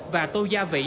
và tô gia vĩ